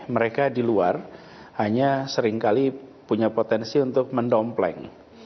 mereka di luar hanya seringkali punya potensi untuk mendompleng